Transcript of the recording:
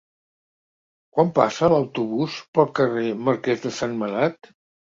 Quan passa l'autobús pel carrer Marquès de Sentmenat?